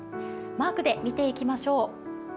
マークで見ていきましょう。